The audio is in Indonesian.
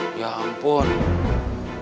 lue aju yang budxt